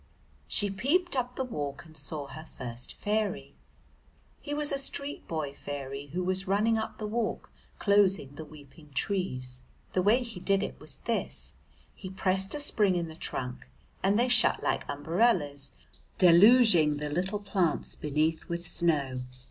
She peeped up the walk and saw her first fairy. He was a street boy fairy who was running up the walk closing the weeping trees. The way he did it was this, he pressed a spring in the trunk and they shut like umbrellas, deluging the little plants beneath with snow.